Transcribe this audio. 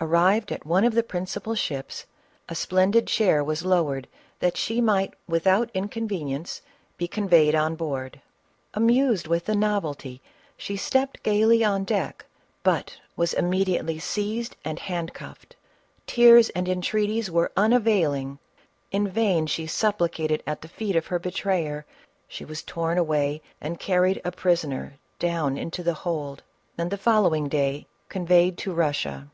Arrived at one of the principal ships, a splendid chair was lowered that she might without inconvenience be conveyed on board. Amused with the novelty, she stept gaily on deck, but was immediately seized and handcuffed ; tears and entreaties were unavailing ; in vain she supplicated at the feet of her betrayer; she was torn away and carried a prisoner down into the hold, and the follow ing day conveyed to Russia.